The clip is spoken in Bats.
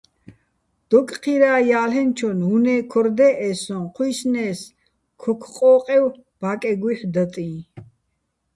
დოკჴირა ჲა́ლ'ენჩონ უ̂ნე́ ქორ დე́ჸეჼ სო́ჼ, ჴუჲსნე́ს, ქოქ-ყო́ყევ ბა́კეგუჲჰ̦ დატიჼ.